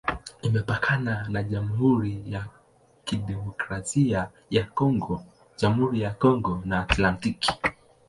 Imepakana na Jamhuri ya Kidemokrasia ya Kongo, Jamhuri ya Kongo na Atlantiki.